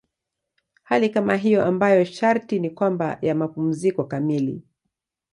Hali kama hiyo ambayo sharti ni kwamba ya mapumziko kamili.